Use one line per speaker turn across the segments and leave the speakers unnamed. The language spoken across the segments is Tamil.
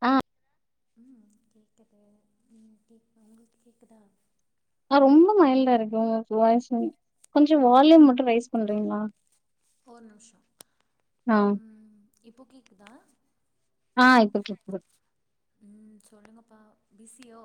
ஆ
ம் கேக்குது ம் கேக் உங்களுக்கு கேக்குதா
ஆ ரொம்ப மல்டா இருக்கு உங்க வாய்ஸ் கொஞ்சோ வால்யூம் மட் டு ரைஸ் பண்றீங்களா
ஒரு நிமிஷம்
ஆ
ம் இப்போ கேக்குதா
ஆ இப்போ கேக்குது
ம் சொல்லுங்கப்பா பிஸியோ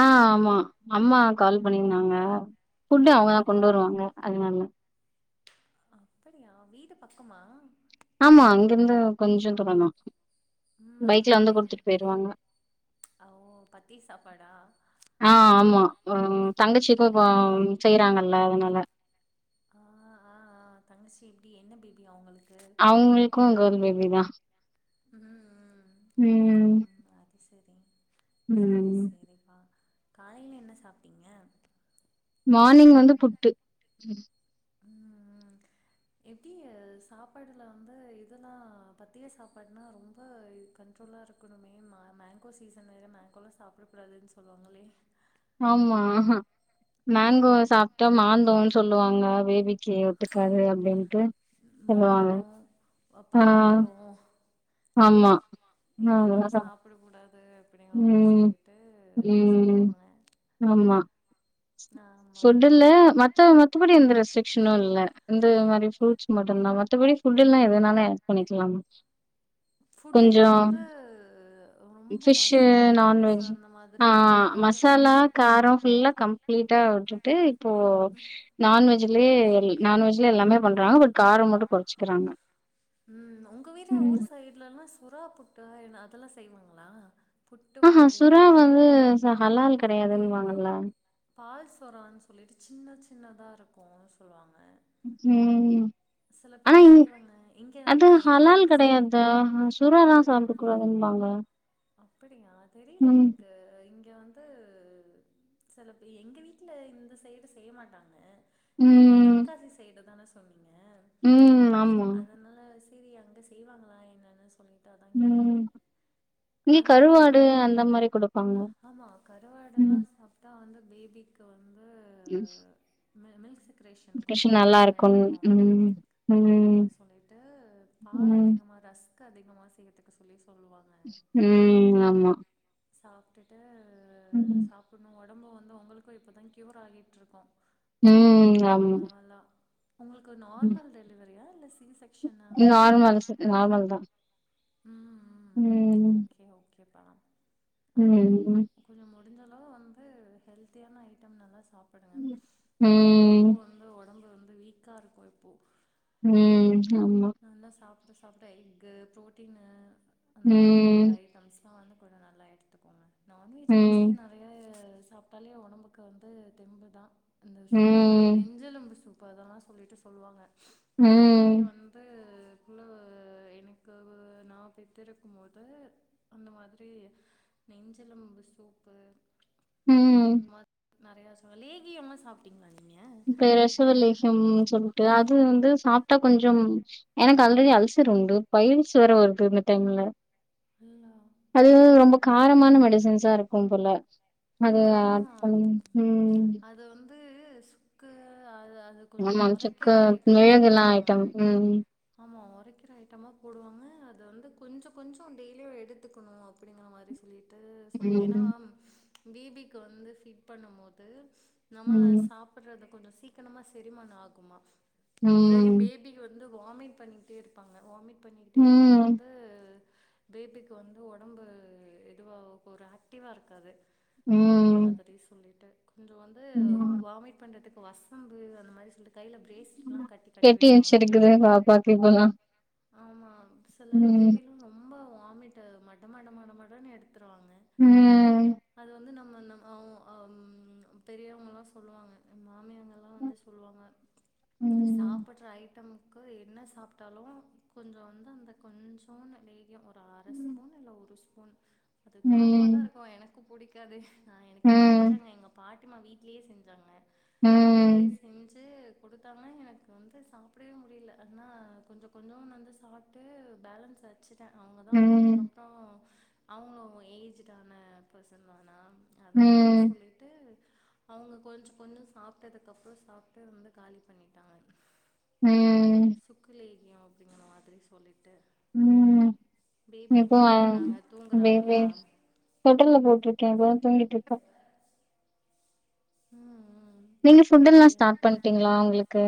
ஆ ஆமா அம்மா கால் பண்ணியிருந்தாங்க ஃபுட்டு அவுங்கதா
அப்படியா
கொண்டு வருவாங்க அதனால
அப்படியா வீடு பக்கமா
ஆமா இங்கிருந்து கொஞ்ச தூரோந்தா
ம்
பைக்ல
ம்
வந்து
ம்
குடுத்துட்டு பேயிருவாங்க
ஓ பத்தி சாப்பாடா
ஆ ஆமா அ தங்கச்சிக்கு இப்போ செய்றாங்கல்ல அதனால
ஆ ஆ ஆ தங்கச்சி எப்டி என்ன பேபி அவங்களுக்
அவங்களுக்கு கேல் பேபி தா
ம் ம்
ம் ம்
சேரி சேரிப்பா காலேல என்ன சாப்டிங்க
மானிங் வந்து புட்டு ம்
ஆ ஆ எ எப்டிய சாப்பாடுல வந்து இதெல்லா பத்தியே சாப்பாடுனா ரொம்ப இது கண்ரோலா இரு இருக்கணுமே மா மேங்கோ சீசன் வேற மேங்கோலா சாப்டக்கூடாதுன்னு சொல்லுவாங்ளே
ஆமா ஆ மேங்கோ
ஆமா
சாப்டா மாந்தோனு சொல்லுவாங்க பேபிக்கு ஒத்துக்காது அப்டின்டு
மாம்பழோ பலாப்பழோ
ஆமா
இதெல்லாம்
இன்னோருமாசோ
சாப்பிடக்கூடாது அப்படிங்கிற மாரி
ம்
சொல்லிட்டு
ம்
சொல்லுவாங்க
ஆமா
ஆமா
ஃபுட் இல்ல மத்த மத்தபடி எந்த ரெஸ்டெக்ட்ஷனு இல்ல இந்த மாறி ஃப்ரூட்ஸ் மட்டு தா மத்தபடி ஃபுட் எல்லா எதனால ஏட் பண்ணிக்கிலாமா
ஃபுட்டுல வந்து ரொம்
ஃபிஷ்சு நான்வெஜி ஆ
ம
ஆ
அதாவது
மசாலா
ம்
காரோ ஃபுல்லா கம்ப்ளீட்டா உட் டுடே இப்போ நான்வெஜிலே எல் நா நான்வெஜ்ல எல்லாமே பண்றா பட் காரம் மட்டு கொறச்சிக்கிறாங்க
ம் உங்க வீட்ல ஊர் சைடுலல்லா சுறா புட்டுனா என்ன அதெல்லா செய்வாங்ளா
ஆ சுறா வந்து ஹலால் கெடையாதுன்னுவாங்ல
பால்சொரான்னு சொல்லிட்டு சின்ன சின்னதா இருக்கு சொல்லுவாங்க
ம்
சில
ஆனா
பேர்
இங்
செய்வாங்க இங்க
அது
நா எங்க
ஹலால்
இருக்க செய்
கெடையாது.
அப்படிய
வாங்க
அப்டியா தெரியல எனக்கு இங்க வந்து சில பே எங்க வீட்டில் இந்த சைடு செய்ய மாட்டாங்க நீங்க
ம்.
தென்காசி சைடு தானே சொ
ம் ஆமா
செரி அங்க செய்வாங்களா என்னன்னு சொல்லிட்டு அதா கேட்டே
ம். இங்க
ஆனா வந்து
கருவாடு அந்த மாரி குடுப்பாங்க.
ஆமா கருவாடல்லா
ம்.
சாப்ட்டா வந்து பேபிக்கு வந்து
யூஸ்
மே மேஸ் ரேஷன் கொஞ்சோ நல்லா இருக்கு
ம். ம்.
அப்டின்னு சொல்லிட்டு பால்
ம்.
அதிகமா ரஸ்க் அதிகமா சேத்துக்கு சொல்லி சொல்லுவா
ம் ஆமா
சாப்பிட்டுட்டு
ம்.
சாப்பிடணு ஒடம்பு வந்து உங்களுக்கு இப்போ தா க்யூர் ஆகிட்டுருக்கு
ம் ஆமா
உங்களுக்கு
ம்.
நார்மல் டெலவரியா இல்ல சி செக்ஷன்னா
நார்மல்ஸ் நார்மல் தான்.
ம்
ம்.
ஓகே ஓகே பா
ம் ம்
முடிஞ்சளவு வந்து ஹெல்தியான ஐட்டம் நல்லா சாப்பிடுங்க
ம்.
உங்களுக்கு வந்து ஒடம்பு வந்து வீக்கா இருக்கு இப்போ
ம் ஆமா.
நல்ல சாப்ட சாப்ட எக்கு புரோட்டீனு அந்த மாரி உள்ள
ம்.
ஐட்டம்ஸ் வந்து கொஞ்சோ நல்லா எடுத்துக்கோங்க நான்வெஜ் மோஸ்ட்லி
ம்.
நெறைய சாப்பிட்டாலே ஒடம்புக்கு வந்து தெம்பு தா இந்த சூப்பு
ம்.
நெஞ்செலும்பு சூப் இப்போ அதெல்லா சொல்லிட்டு சொல்லுவாங்க நா பேபிய
ம்.
வந்து குல எனக் கவல நா நா பெத்திருக்கும் போது அந்த மாதிரி நெஞ்செலும்பு சூப்பு
ம்
இந்த மாதிரி நெறையா ச லேகியமு சாப்ட்டீங்களா நீங்க
[unintelligible] ப்ரசவலேகியம் சொல்ட்டு அது வந்து சாப்ட்டா கொஞ்சம் எனக்கு ஆல்ரெடி அல் சர் உண்டு பைல்ஸ் வேற வருது இந்த டைம்ல
அல்லா
அது ரொம்ப காரமான மெடிசன்ஸா இருக்கும் போல அது
ம்
ஆட் பண்ணியு ம்
து சுக்கு அது அது கொஞ்சோ
ஆமாங்
ஒரைக்கிற
சுக்கு
ஐட்டமா
மிளகுல்ல
போடுவாங்க
ஐட்டம் ம்
ஆமா ஒரைக்கிற ஐட்டமா போடுவாங்க அத வந்து கொஞ்சோ கொஞ்சோ டெய்லியு எடுத்துக்கனு அப்டிங்கற மாரி சொல்லி ட்டு சொல்லுவாங் ஏனா
ம்
பேபிக்கு வந்து ஃபீட் பண்ணும் போது நம்ம
ம்
சாப்பிட்றத கொஞ்சோ சீக்கிரமா செரிமானோ ஆகுமா இல்லாட்டி
ம்
பேபிக் வந்து வாமிட் பண்ணிக்கிட்டே இருப்பாங்க வாமிட் பண்ணிக்கிட்டே இருந்தா
ம்
வந்து பேபிக் வந்து ஒடம்பு இதுவா ஒரு ஆக்டிவா இருக்காது அந்த
ம்
மாதிரி சொல்லிட்டு கொஞ்சோ வந்து
ம்
வாமிட் பண்றதுக்கு வசம்பு அந்த மாரி சிலது கைல ப்ரேஸ்லா கட்டி கட்டி
கெட்டி
விடுவாங்க
வச்சிருக்குது பாப்பாக்கு இப்பல்லா
ஆமா சில
ம்
பேபிலு ரொம்ப வா வாமிட்டு மட மட மட மடனு எடுத்துருவாங்க
ம்
அது வந்து நம்ம நம் அவ் அம் பெரியவங்கல்லா சொல்லுவாங்க அ மாமியங்கல்லா வந்து சொல்வாங்க
ம்
சாப்பிட்ற ஐட்டம் கு என்ன சாப்ட்டாலு கொஞ்சோ வந்து அந்த கொஞ்சோனு லேகியோ ஒரு அர ஸ்பூன் இல்ல ஒரு ஸ்பூன் அது காரமா
ம்
தா இருக்கு எனக்கு புடிக்காது ஆ எனக்கு
ம்
செஞ்சாங்க எங்க பாட்டிமா வீட்லயே செஞ்சாங்க
ம்
வீட்லயே செஞ்சு குடுத்தாங்க எனக்கு வந்து சாப்டவே முடியில ஆனா கொஞ்ச கொஞ்ச நா வந்து சாப்ட்டு பேலன்ஸ் வ ச்சிட்டே அவங்க தா வந்து
ம்
அதுக்கப்றோ அவங்களு ஏஜுடான பர்சன் ஆனா அதனால
ம்.
சொல்லிட்டு அவங்க கொஞ்ச கொஞ்ச சாப்ட்டதுக்கப்றோ சாப்ட்டு வந்து காலி பண்ணிட்டாங்க
ம்.
சுக்கு லேகியோ அப்டிங்கற மாதிரி சொல்லி
ம் இப்போ
என்ன பண்றாங்க
வே வே
தூங்குறாங்களா
தொட்டில்ல போட்ரு வே தூங்கிட்ருக்கா
ம் ம்
நீங்க ஃபுட்டெல்லா
அப்படியா
ஸ்டாட் பண்ட்டீங்களா அவுங்களுக்கு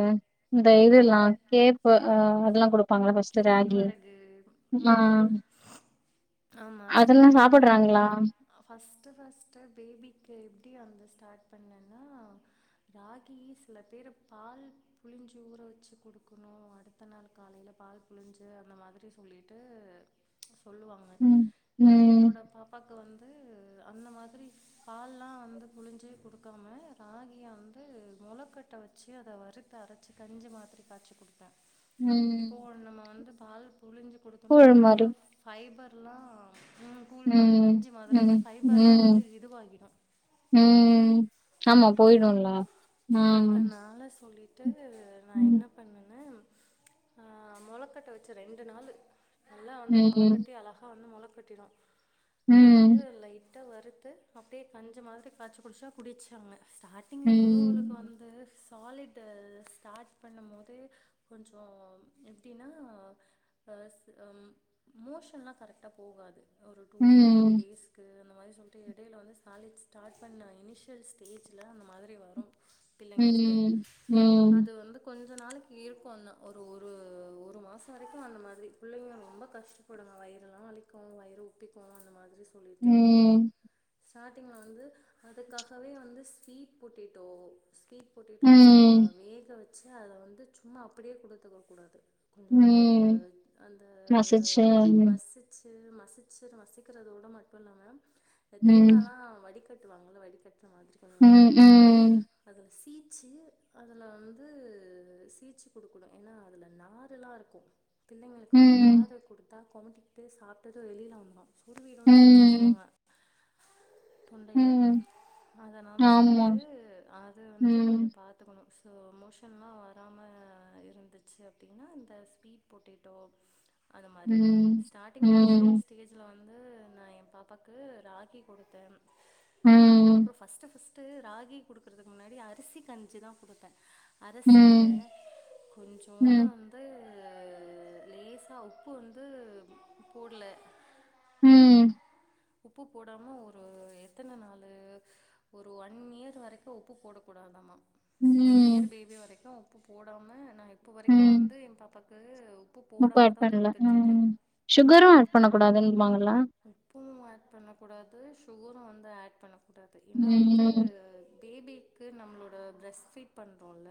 இந்த
ஆம்
இதெல்லா கேப்ப அ அதுல்லா குடுப்பாங்கல்ல ஃபஸ்ட்டு ராகி ஆ
ஆ [inaudible] ஆமா
அதெல்லாம்
ஸ்டாட்டிங்
சாப்பிடுறாங்களா?
ஃபஸ்ட்டு ஃபஸ்ட்டு பேபிக்கு எப்டி அந்த ஸ்டாட் பண்ணன்னா ராகி சில பேர் பால் புழிஞ்சு ஊற வச்சு குடுக்கணு அடுத்த நாள் காலைல பால் புழிஞ்சு அந்த மாதிரி சொல்லிட்டு சொல்லுவாங்க
ம்.
நா
ம்.
என்னோட பாப்பாக்கு வந்து அந்த மாதிரி பால்லா வந்து புழிஞ்சி குடுக்காம ராகிய வந்து மொளக்கட்ட வச்சு அத வறுத்து அரச் சி கஞ்சி மாதிரி காச்சி குடுத்தே இப்போ
ம்.
நம்ம வந்து புழிஞ்சி குடுத்தம்னா
கூழ்
அது உள்ள
மாரி.
ஃபைபர்லா ம் கூழ் மாதிரி
ம்
கஞ்சி மாதிரி
ம் ம்
ஃபைபர்லா
ம்
வந்து இதுவாகிடு
ம் ஆமா போய்டுல்லா
அதனால சொல்லிட்டு நா
ம்.
என்ன பண்ணன்னா ஆ மொளக்கட்ட வச்சே ரெண்டு நாளு நல்லா வந்து
ம்.
மொளக்கட்டி அழகா வந்து மொளக் கட்டிரு அத
ம்.
வந்து லைட் டா வறுத்து அப்டியே கஞ்சி மாதிரி காச்சி குடிச்சா குடிச்சாங்க ஸ்டாட்டிங்ல ஃபுல்லா
ம்.
[unintelligible] சாலிடு ஸ்டாட் பண்ணும் போதே கொஞ்சோ எப்டின்னா ஆசு அம் மோஷன்லா கரெக்டா போகாது ஒரு டூ டூ த்ரீ
ம்.
டேஸுக்கு அந்த மாரி சொல்ட்டு எடைல வந்து சாலிட் ஸ்டார்ட் பண்ணா இனிஷியல் ஸ்டேஜ்ல அந்த மாதிரி வரு பிள்ளைங்களுக்கு
ம். ம்.
அது வந்து கொஞ் கொஞ்ச நாளைக்கு இருக்குனா ஒரு ஒரு ஒரு மாச வரைக்கு அந்த மாதிரி பிள்ளைங்க ரொம்ப கஷ்டப்படுங்களே வயிறலா வலிக்கு வயிறு உப்பிக்கு அந்த மாதிரி சொல்லிட்டு
ம்
ஸ்டாடிங்ல வந்து அதுக்காகவே வந்து ஸ்வீட் பொட்டேட்டோ ஸ்வீட் பொட்டேட்டோ நல்லா
ம்
வேக வச்சு அதுல வந்து சும்மா அப்டியே குடுத்துக்கக் கூடாது கொஞ்ச வந்து
ம்
அந்த
மசிச்சு ம்
மசிச்சு து மசிச்சுரு மசிக்குறது விட மட்டு இல்லாம இந்த
ம்
தேங்காலா வடிகட்டுவாங்கல வடிகட் அந்த மாதிரி ஒன்னு
ம்
இருக்குல்ல
ம்
அதுல சீச்சு அதுல வந்து சீச்சு குடுக்கணு ஏனா அதுல நாருலா இருக்கு பிள்ளைங்களுக்கு வந்து
ம்
நாரு குடுத்தா கொமட்டிக்கிட்டு சாப்ட்டது வெளில வந்துரு
ம்
சுருவிடுன்னு
ம்
தொண்டைல அதனால
ஆமா
சொல்லிட்டு அது வந்து
ம்
கொஞ்ச பாத்துக்கோ ஸோ மோஷன்லா வராம இருந்துச்சு அப்டினா இந்த ஸ்வீட் பொட்டேட்டோ அது மாரி
ம்
ஸ்டாடிங்
ம்
இனிஷியல் ஸ்டேஜ்ல வந் வந்து நா எ‌ பாப்பாக்கு ராகி குடுத்தே
ம்
அதுக்கப்ற
ம்
ஃபஸ்ட்டு ஃபஸ் து ராகி குடுக்றதுக்கு முன்னாடி அரிசி கஞ்சி தா குடுப்பே அரசில
ம்
கொஞ்சோன்னு வந்து அ லேசா உப்பு வந்து போட்ல
ம்
உப்பு போடாம ஒரு எத்தன நாலு ஒரு ஒன் இயர் வரைக்கு உப்பு போடக் கூடாதாமா ஒன்
ம்
இயர் பேபி வரைக்கு உப்பு போடாம நா இப்ப வரைக்கு வந்து எ பாப்பாக்கு உப்பு
முட்ட
போடாம
ஆட்
தா
பண்ல
குடுத்துட்ருக்கே
ம் ஷூகரு ஆட் பண்ண கூடாதுன்பாங்கள
உப்புவு ஆட் பண்ண கூடாது ஷூகரு வந்து ஆட் பண்ணக் கூடாது ஏனா வந்து
ம்
பேபிக்கு நம்ளோட பிரெஸ்ட் ஃபீட் பண்றோல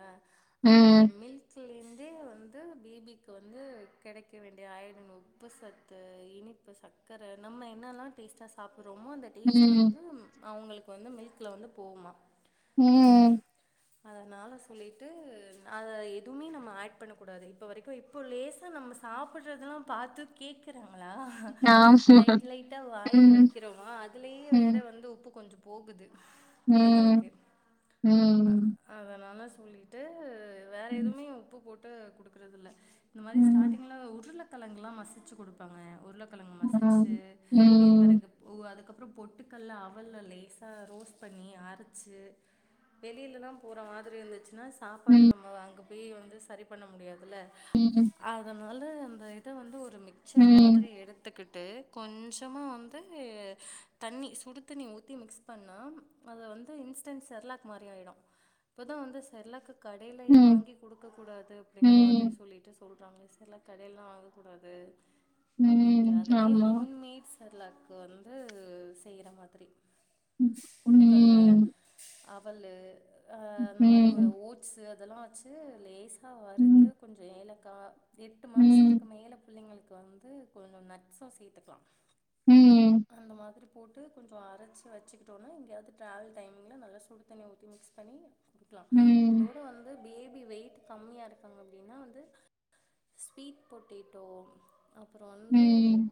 அந்த
ம்
மில்க்ல இருந்தே வந் வந்து பேபிக்கு வந்து கெடைக்க வேண்டிய ஆயோடின் உப்பு சத்து இனிப்பு சக் க்கர நம்ம என்னெல்லா டேஸ்ட்டா சாப்புட்றோமோ அந்த டேஸ்ட்டு
ம்
வந்து அவ்ங்களுக்கு வந்து மில்க்ல வந்து போகுமா
ம்
அதனால சொல்லிட்டு அத எதுமே நம்ம ஆட் பண்ண கூடாது இப்ப வரைக்கு இப்போ லேசா நம் நம்ம சாப்புட்றதெல்லா பாத்து கேக்குறா ங்களா
ஆமா
லைட் லைட்டா வாயில
ம்
வக்கிறோமா அதுலயே வேற
ம்
வந்து உப்பு கொஞ்ச போகுது
ம்
பிள்ளைங்களுக்கு அ அதனால சொல்லிட்டு வேற
ம்
எதுமே உப்பு போட்டு குடுக்குறதில்ல இந்த மாரி
ம்
ஸ்டாடிங்ல உருளக் கெழங்குலா மசிச்சு குடுப்பாங்க உருளக்கெழங்க மசிச்சு
ம், ம்,
கேழ்வெரகுப் இவ்க அதுக்கப் ற பொட்டுக்கட்ல அவல்ல லேஸா ரோஸ்ட் பண்ணி அரச்சு வெளிலலா போற மாதிரி இருந்துச்சு னா சாப்பாடு
ம்,
நம்ம அங்க போயி வந்து சரி பண்ண முடியாதுல்ல
ம்,
அதனால் ந்து அந்த இத வந்து ஒரு மிக்சர்
ம்,
மாதிரி எடுத்துக்கிட் டு கொஞ்சமா வந்து தண்ணி சுடுத் தண்ணி ஊத்தி மிக்ஸ் பண்ணா அத வந்து இன்ஸ்டென்ட் செர்லாக் மாரி ஆயிடு இப்பதா வந்து செர்லாக்க கடைலயே வாங்கி குடுக்க கூடாது அப்டிங்கிற மாதிரி
ம்,
சொல்லிட்டு சொல்னு ப்ராமிஸ்ஸுல கடைலலா வாங்கக்கூடாது அப்டின்ட்டு
ம்,
அது
ஆமா
செலாக்கு வந்து செய்ற மாதிரி பொட்டுக்கட்ல
ம்,
அவலு
ம்
இதெல்லா வச்சு லேசா வறுத்து
ம்,
கொஞ்ச ஏலக்கா எட்டு
ம்,
மாசத்துக்கு மேல பிள்ளைங்களுக்கு வந்து கொஞ்ச நட்ஸ்சு சேத்துக்கலா
ம்,
அந்த மாதிரி போட்டு கொஞ்ச அரைச்சு வச்சக்கிட்டோம்னா எங்கேயாவது டிராவல் டைம்ல நல்லா சுடு தண்ணி ஊத்தி மிக்ஸ் பண்ணி குடிக்கலாம்
ம்,
அதோட வந்து பே வெயிட் கம்மியா இருக்காங்க அப்டின்னா வந்து ஸ்வீட் பொட்டேட்டோ அப்புற
ம்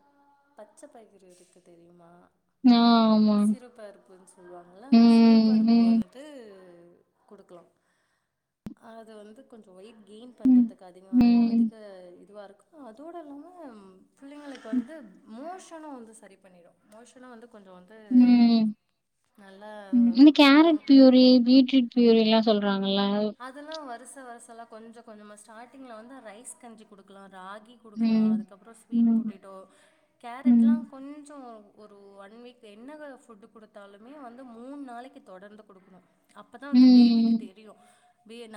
தேதுக்கு தெரியுமா
ஆ
சிறப்பருப்புன்னு சொல்லுவாங்கல்ல அந்த
ம்,
சிறப்பருப்பு
ம்,
வந்து குடுக்கலா அது வந்து கொஞ்ச வெயிட் கெயின்
ம்,
பண்றதுக்கு அதிகமா
ம்,
அதிக இதுவாருக்கு அதோட இல்லாம பிள்ளைங்களுக் இது வந்து மோஷனு வந்து சரி பண்ணிட மோஷனு வந்து கொஞ்ச வந்து
ம்,
நல்லா
ம் இந்த கேரட்
போகும்
பியூரி பீட்ரூட் பியூரில்லா சொல்றாங்
அதெல்லா வருச வருசல்லா கொஞ்ச கொஞ்சமா ஸ்டார்டிங்ல வந்து ரைஸ் கஞ்சி குடுக்கலா ராகி குடுக்கலா
ம்,
அதுக்கப்பறோ ஸ்வீட்
ம்,
பொட்டேட்டோ
ம்,
கேரட்லா கொஞ்ச ஒரு ஒன் வீக் என்ன ஃபுட் குடுத்தாலுமே வந்து மூணு நாளைக்கு தொடர்ந்து குடுக்கணு அப்போதா வந்து பேபிக்கு
ம்,
தெரியு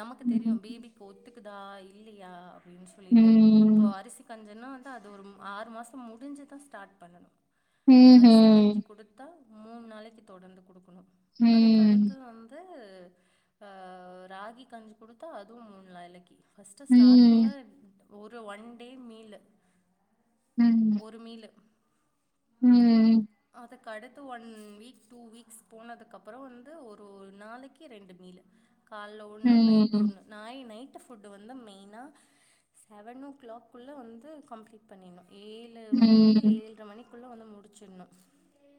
நமக்கு தெரியு பே
ம்,
பேபிக்கு ஒத்துக்குதா இல்லையா அப்டின்னு சொல்லிட்டு இப்போ
ம்,
அரிசி கஞ்சன்னா வந்து அது ஒரு ஆறு மாச முடிஞ்சுதா ஸ்டார்ட் பண்ணனு அரிசி கஞ்சி
ம்ஹும்,
குடுத்தா மூணு நாளைக்கு தொடந்து குடுக்கு க்கனு அதுக்கு அடுத்து
ம்,
வந்து ஆ ராகி கஞ்சு குடுத்தா அதுவு மூண் நாலக்கி ஃபஸ்ட்டு
ம்.
ஸ்டார்டிங்கில ஒரு ஒன் டே மீல்லு
ம்.
ஒரு மீலு
ம்
அதுக்கடுத்து ஒன் வீக் டூ வீக்ஸ் போனதுக்கப்புற வந்து ஒரு நாளைக்கு ரெண்டு மீலு கால்ல ஒன்னு நைட்டு
ம்.
ஒன்னு நாய் நை ஃபுட்டு் வந்து மெயினா செவன் ஓ கிளாக்குள்ள வந்து கம்ப்ளீட் பண்ணிணு ஏழு மணிக்கு
ம்.
ஏழரை மணிக்குள்ள வந்து முடிச்சிணு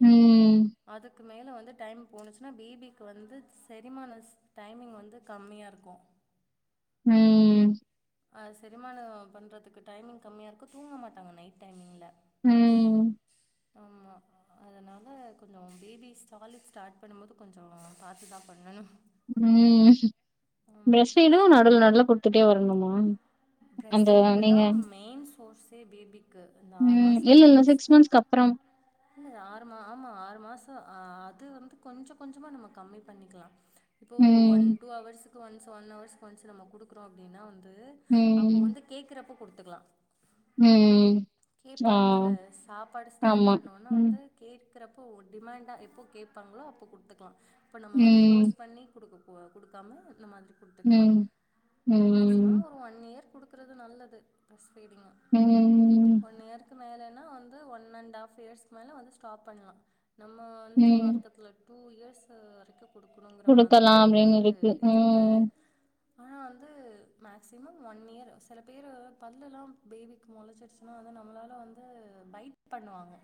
ம்
அதுக்கு மேல வந்து டைம் போனுச்சுன்னா பேபிக்கு வந்து செரிமான ஸ் டைமிங் வந்து கம்மியாருக்கு
ம்
அ சரிமான பண்ணுறதுக்கு டைமிங் கம்மியா இருக்கு தூங்க மாட்டாங்க நைட் டைமிங்கில
ம்
ஆம்மா அதனால கொஞ்ச பேபி ஸ்டாலிட் ஸ்டார்ட் பண்ணும்போது கொஞ்ச பாத்துதா பண்ணணு
ம்
ஆமா
பிரஸ்ட் பீடும் நடுவ்ல நடுவ்ல குடுத்துட்டே வரணுமா
பிரஸ்ட்
அந்த
பீட்தா
நீங்க
மெயின் சோர்ஸே பேபிக்கு இந்த ஆறு மாச புட்டு ச
கப்பறம்
இல்ல ஆறு மா ஆமா ஆறு மாச ஆ அது வந்து கொஞ்ச கொஞ்சமா நம்ம கம்மி பண்ணிக்கலா இப்போ ஒன்
ம்.
டூ அவர்ஸ் கு ஒன்ஸ் ஒன் வர்ஸ்கு வந்து நம்ம குடுக்குறோ அப்டின்னா வந்து அப்போ
ம்.
வந்து கேட்கறப்போ குடுத்துக்கலா
ம். ஆ.
கேப்பாங்கல்ல சாப்பாடு ஸ்டார்ட்
ஆமா.
பண்ணோனே
ம்.
வந்து கே இருக்கறப்போ டமாண்டா எப்போ கேப்பாங்களோ அப்ப குடுத்துக்கலா இப்ப நம்ம வந்து
ம்.
போர்ஸ் பண்ணி குடுக்கு உ குடுக்காம இந்த மாதிரி குடுத்துக்கலா
ம்.
மேக்சிமம்
ம்.
ஒரு ஒன் இயர் குடுக்கறது நல்லது பஸ் பீடிங்
ம்.
ஒன் இயருக்கு மேல நா வந்து ஒன்னண்ட் ஆப் இயர்ஸ் மேல வந்து ஸ்டாப் பண்ணலா நம்ம வந்து
ம்.
மார்க்கத்துல டூ இயர்ஸ் வரைக்கு குடுக்கணுங்கிற மாதிரி
குடுக்கலாம் அப்படின்னு
சொல்லிட்டு இருக்கு
ம்.
ஆனா வந்து மேக்சிமம் ஒன் இயர் சில பேரு பல்லெல்லா பேபிக்கு மொளச்சிருச்சுன்னா வ நம்மளால வந்து பைட் பண்ணுவாங்க